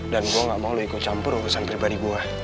dan gue gak mau lo ikut campur urusan pribadi gue